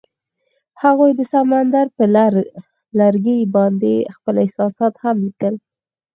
هغوی د سمندر پر لرګي باندې خپل احساسات هم لیکل.